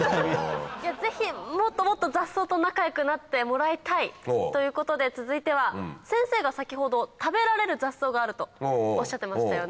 ぜひもっともっと雑草と仲良くなってもらいたいということで続いては先生が先ほど食べられる雑草があるとおっしゃってましたよね。